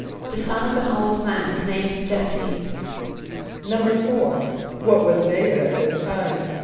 =The son of an old man named J[)e]s´se.= =4.= What was D[=a]´vid at this time?